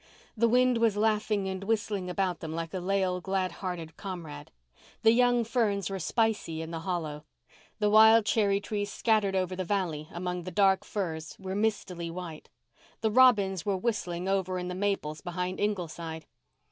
The wind was laughing and whistling about them like a leal, glad hearted comrade. The young ferns were spicy in the hollow. The wild cherry trees scattered over the valley, among the dark firs, were mistily white. The robins were whistling over in the maples behind Ingleside.